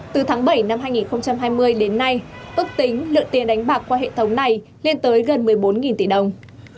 từ tháng bảy năm hai nghìn hai mươi đến nay ước tính lượng tiền đánh bạc qua hệ thống này lên tới gần một mươi bốn tỷ đồng